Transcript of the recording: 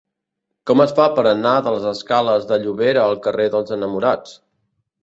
Com es fa per anar de la escales de Llobera al carrer dels Enamorats?